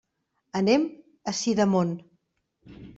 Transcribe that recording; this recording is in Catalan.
Anem a Sidamon.